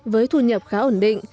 với thu nhập khá ổn định